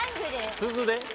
鈴で？